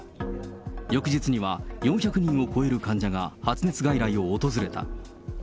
翌日には４００人を超える患者が発熱外来を訪れた。